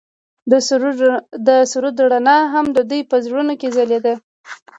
د سرود رڼا هم د دوی په زړونو کې ځلېده.